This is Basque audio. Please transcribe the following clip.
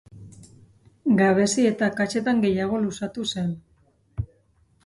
Gabezi eta akatsetan gehiago luzatu zen.